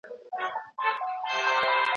زموږ د تورو خېمو شاته ګړزهار دی